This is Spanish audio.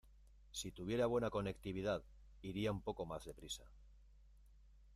Si tuviera buena conectividad iría un poco más deprisa.